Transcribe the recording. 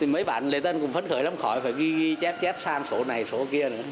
mấy bạn lễ tân cũng phấn khởi lắm khỏi phải ghi chép chép sang sổ này sổ kia nữa